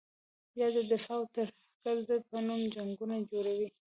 بیا د دفاع او ترهګرې ضد په نوم جنګونه جوړوي.